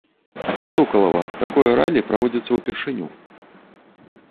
Стукалава, такое раллі праводзіцца ўпершыню.